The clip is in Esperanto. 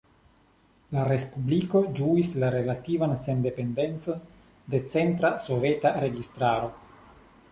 La respubliko ĝuis relativan sendependecon de centra Soveta registaro.